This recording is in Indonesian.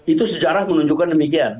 itu secara menunjukkan demikian